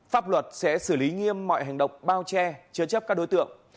pháp luật sẽ xử lý nghiêm mọi hành động bao che chứa chấp các đối tượng